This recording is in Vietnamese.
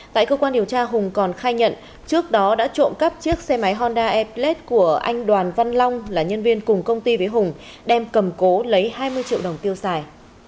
tại cơ quan điều tra hùng còn khai nhận trước đó đã trộm cắp chiếc xe máy honda air plat của anh đoàn văn long là nhân viên cùng công ty với hùng đem cầm cố lấy hai mươi triệu đồng tiêu xài